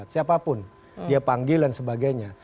siapapun dia panggil dan sebagainya